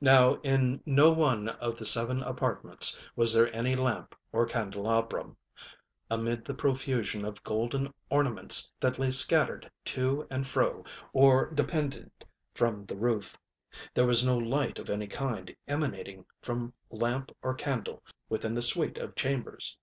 Now in no one of the seven apartments was there any lamp or candelabrum, amid the profusion of golden ornaments that lay scattered to and fro or depended from the roof. There was no light of any kind emanating from lamp or candle within the suite of chambers.